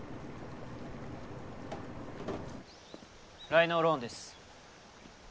「ライノーローン」です。